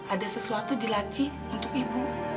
ada sesuatu dilaci untuk ibu